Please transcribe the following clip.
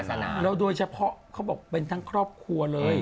แล้วโดยเฉพาะเขาบอกเป็นทั้งครอบครัวเลย